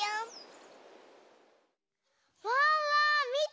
ワンワンみて！